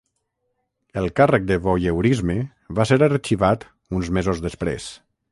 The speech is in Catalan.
El càrrec de voyeurisme va ser arxivat uns mesos després.